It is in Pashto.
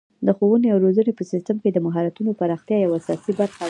د ښوونې او روزنې په سیستم کې د مهارتونو پراختیا یوه اساسي برخه ده.